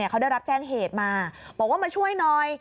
เขาได้รับแจ้งเหตุมาบอกว่ามาช่วยหน่อย